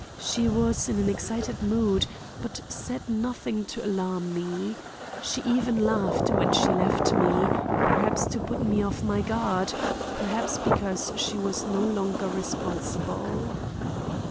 She was in an excited mood but said nothing to alarm me. She even laughed when she left me; perhaps to put me off my guard, perhaps because she was no longer responsible."